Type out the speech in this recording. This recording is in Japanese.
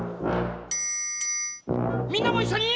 みんなもいっしょに！